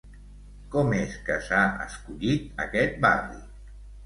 Com és que s'ha escollit aquest barri?